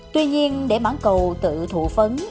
tuy nhiên để mãn cầu tự thụ phấn